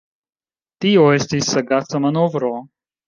Tio estis sagaca manovro.